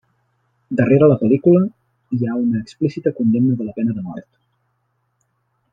Darrere la pel·lícula hi ha una explícita condemna de la pena de mort.